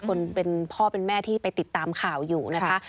คนเป็นพ่อเป็นแม่ที่ไปติดตามข่าวอยู่นะคะ